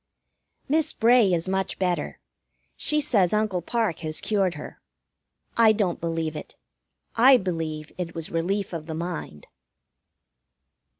Miss Bray is much better. She says Uncle Parke has cured her. I don't believe it. I believe it was Relief of the Mind.